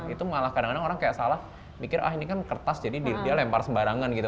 itu malah kadang kadang orang kayak salah mikir ah ini kan kertas jadi dia lempar sembarangan gitu